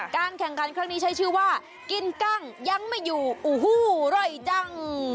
การแข่งขันครั้งนี้ใช้ชื่อว่ากินกั้งยังไม่อยู่โอ้โหอร่อยจัง